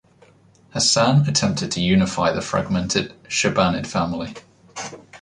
Hasan attempted to unify the fragmented Chobanid family.